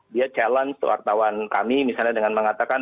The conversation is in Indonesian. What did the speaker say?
dia challenge wartawan kami misalnya dengan mengatakan